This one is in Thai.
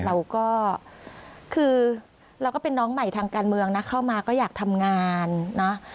เราก็คือเราก็เป็นน้องใหม่ทางการเมืองนะเข้ามาก็อยากทำงานนะ